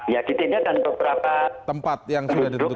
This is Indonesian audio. ya di tenda dan beberapa tempat yang sudah ditentukan